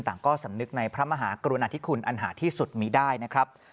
ต่างก็สำนึกในพระมหากรุณาธิคุณอันหาที่สุดมีได้นะครับ